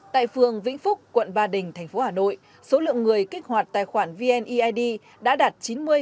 tại phường vĩnh phúc quận ba đình thành phố hà nội số lượng người kích hoạt tài khoản vned đã đạt chín mươi sáu mươi chín